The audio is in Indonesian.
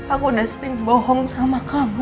aku udah stream bohong sama kamu